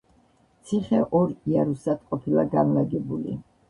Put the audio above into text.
ციხე ორ იარუსად ყოფილა განლაგებული.